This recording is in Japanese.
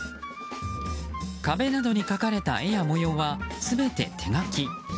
壁などに描かれた絵や模様は全て手書き。